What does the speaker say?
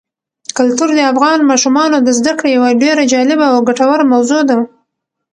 کلتور د افغان ماشومانو د زده کړې یوه ډېره جالبه او ګټوره موضوع ده.